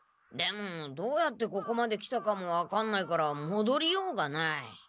でもどうやってここまで来たかも分かんないからもどりようがない。